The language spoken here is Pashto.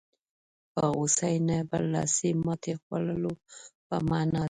په غوسې نه برلاسي ماتې خوړلو په معنا ده.